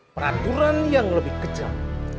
peraturan yang lebih kejam